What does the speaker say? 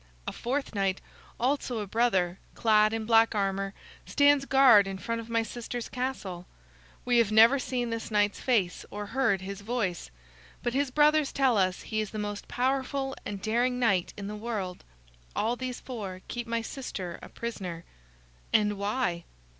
A fourth knight, also a brother, clad in black armor, stands guard in front of my sister's castle. We have never seen this knight's face or heard his voice, but his brothers tell us he is the most powerful and daring knight in the world. All these four keep my sister a prisoner." "And why?"